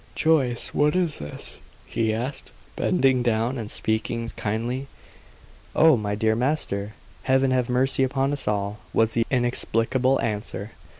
"Joyce, what is this?" he asked, bending down and speaking kindly. "Oh, my dear master! Heaven have mercy upon us all!" was the inexplicable answer.